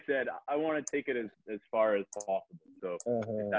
tapi tau aku ingin main ke ibl satu tahun atau dua